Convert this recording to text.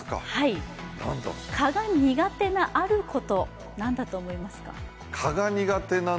蚊が苦手なあること、何だと思いますか？